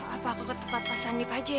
apa aku ke tempat pasang di paje ya